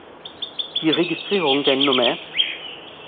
Die Registrierung der Nr.